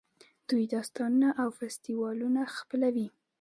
دوی داستانونه او فستیوالونه خپلوي.